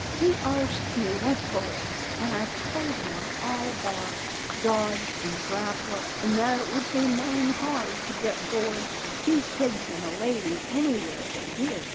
He arsked me what boys, an' I tole him all about Dodge an' Grappler, an' that it would be main hard to get board for two pigs an' a lady anywhere but here.